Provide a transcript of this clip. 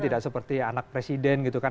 tidak seperti anak presiden gitu kan